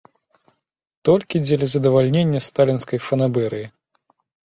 Толькі дзеля задавальнення сталінскай фанабэрыі!